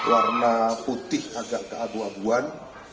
warna putih agak keabu abuan